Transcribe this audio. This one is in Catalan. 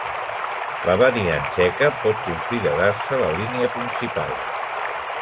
La variant txeca pot considerar-se la línia principal.